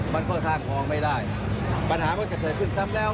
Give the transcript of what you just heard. มันก็สร้างคลองไม่ได้ปัญหาก็จะเกิดขึ้นซ้ำแล้ว